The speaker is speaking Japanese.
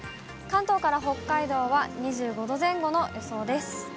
関東から北海道は２５度前後の予想です。